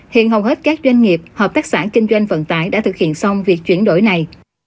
hiện hầu hết các doanh nghiệp hợp tác xã kinh doanh vận tải đã thực hiện xong việc chuyển đổi này